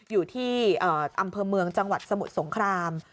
อยู่ที่อำเภอเมืองจังหวัดสมุทรสงคราม